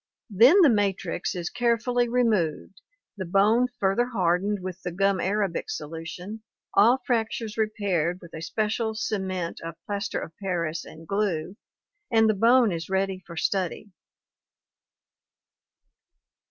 Then the matrix is carefully removed, the bone fur ther hardened with the gum arabic solution, all fractures repaired FOSSILS: THEIR NATURE AND INTERPRETATION 419 with a special cement of plaster of pans and glue, and the bone is ready for study.